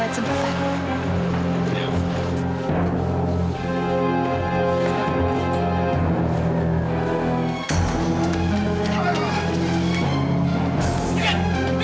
berlian selama aku